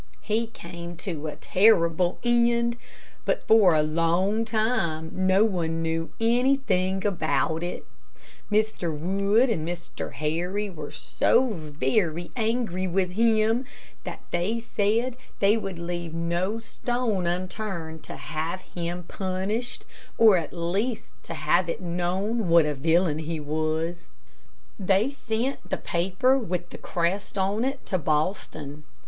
He came to a terrible end, but for a long time no one knew anything about it. Mr. Wood and Mr. Harry were so very angry with him that they said they would leave no stone unturned to have him punished, or at least to have it known what a villain he was. They sent the paper with the crest on it to Boston.